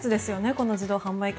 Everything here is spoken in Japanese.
この自動販売機